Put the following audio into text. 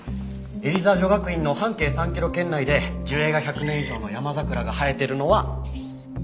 エリザ女学院の半径３キロ圏内で樹齢が１００年以上のヤマザクラが生えてるのは。